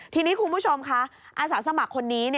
ทีนี้คุณผู้ชมค่ะอาสาสมัครคนนี้